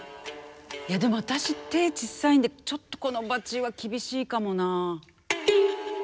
いやでも私手ちっさいんでちょっとこのバチは厳しいかもな。